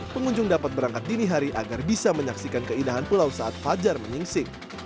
pengunjung dapat berangkat dini hari agar bisa menyaksikan keindahan pulau saat fajar menyingsing